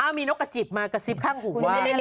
มีนกกระจิบมากระซิบข้างหู